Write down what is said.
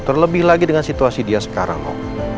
terlebih lagi dengan situasi dia sekarang